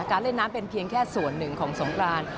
เล่นน้ำเป็นเพียงแค่ส่วนหนึ่งของสงกราน